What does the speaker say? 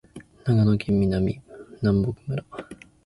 長野県南牧村